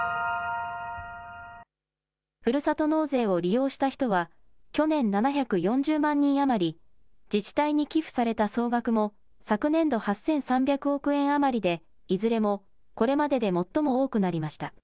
ふるさと納税を利用した人は、去年７４０万人余り、自治体に寄付された総額も、昨年度８３００億円余りで、いずれもこれまでで最も多くなりました。